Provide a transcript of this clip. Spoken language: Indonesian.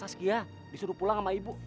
paskia disuruh pulang sama ibu